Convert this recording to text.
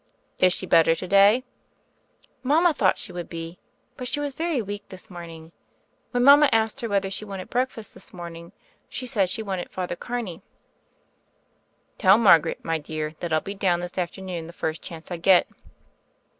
"Is she better to day?" "Mama thought she would be; but she was very weak this morning. When mama asked her whether she wanted breakfast this morning, she said that she wanted Father Carney." lOO THE FAIRY OF THE SNOWS loi "Tell Margaret, my dear, that I'll be down this afternoon the first chance I get."